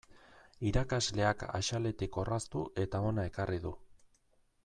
Irakasleak axaletik orraztu eta hona ekarri du.